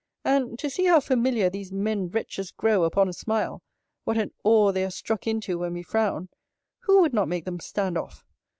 And, to see how familiar these men wretches grow upon a smile, what an awe they are struck into when we frown; who would not make them stand off?